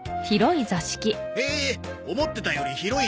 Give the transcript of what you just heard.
へえ思ってたより広いな。